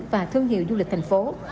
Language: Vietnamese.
và thương hiệu du lịch thành phố